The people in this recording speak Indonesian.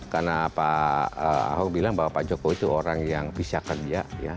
karena pak ahok bilang bahwa pak jokowi itu orang yang bisa kerja